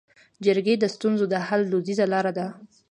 جرګې د ستونزو د حل دودیزه لاره ده